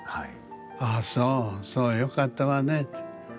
「ああそうそうよかったわね。